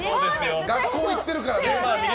学校行ってるからね。